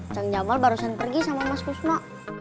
cang jamal barusan pergi sama mas kusmo